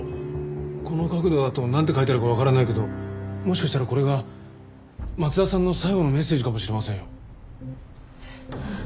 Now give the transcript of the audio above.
この角度だとなんて書いてあるかわからないけどもしかしたらこれが松田さんの最期のメッセージかもしれませんよ。